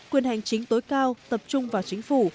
quyền hành chính tối cao tập trung vào chính phủ